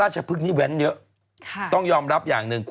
แอ๋จี้ลองไปตอนทีสามดู